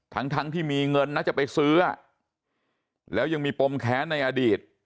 ทั้งทั้งที่มีเงินนะจะไปซื้อแล้วยังมีปมแค้นในอดีต